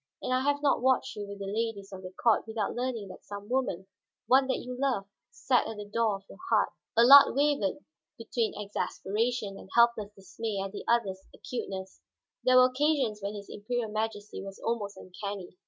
And I have not watched you with the ladies of the court without learning that some woman, one that you loved, sat at the door of your heart." Allard wavered between exasperation and helpless dismay at the other's acuteness; there were occasions when his Imperial Majesty was almost uncanny.